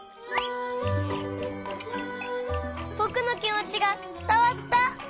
ぼくのきもちがつたわった！